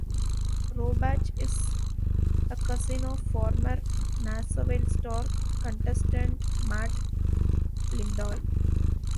Robach is a cousin of former "Nashville Star" contestant Matt Lindahl.